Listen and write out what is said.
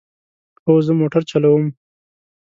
هو، زه موټر چلوم